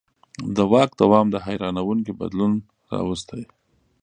د واک دوام دا حیرانوونکی بدلون راوستی.